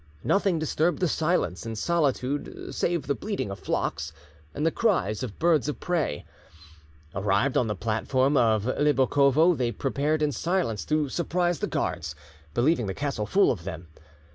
Nothing disturbed the silence and solitude save the bleating of flocks and the cries of birds of prey. Arrived on the platform of Libokovo, they prepared in silence to surprise the guards, believing the castle full of them.